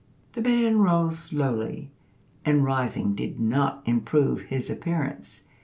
The man rose slowly, and rising did not improve his appearance.